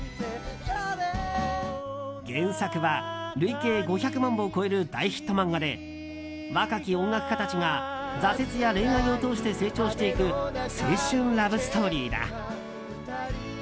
原作は累計５００万部を超える大ヒット漫画で若き音楽家たちが挫折や恋愛を通して成長していく青春ラブストーリーだ。